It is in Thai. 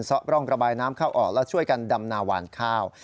ร่องระบายน้ำเข้าออกแล้วช่วยกันดำนาวานข้าว